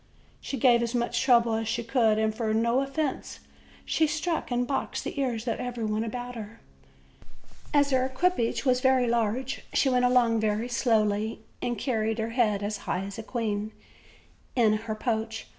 She gave as much trouble as she could, and for no offense she struck and boxed the ears of everybody about her. As her equipage was very large, she went along very slowly, and carried her head as high as a queen, in her poach.